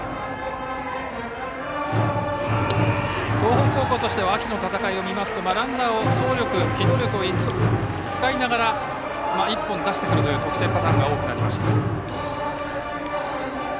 東北高校としては秋の戦いを見ますとランナーを走力、機動力を使いながら１本出してくるという得点パターンが多くなりました。